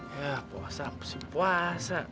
ya puasa apa sih puasa